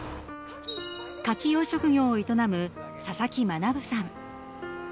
カキ養殖業を営む佐々木学さん。